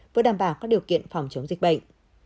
vừa đảm bảo các điều kiện phòng chống dịch bệnh